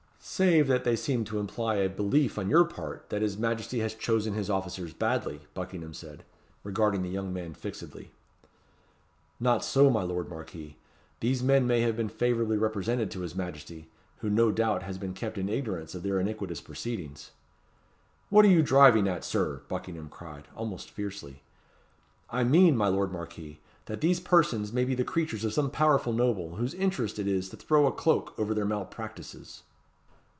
"Save that they seem to imply a belief on your part that his Majesty has chosen his officers badly," Buckingham said, regarding the young man fixedly. "Not so, my lord Marquis, These men may have been favourably represented to his Majesty, who no doubt has been kept in ignorance of their iniquitous proceedings." "What are you driving at, Sir?" Buckingham cried, almost fiercely. "I mean, my lord Marquis, that these persons may be the creatures of some powerful noble, whose interest it is to throw a cloak over their malpractices."